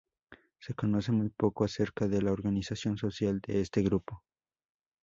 Se conoce muy poco acerca de la organización social de este grupo.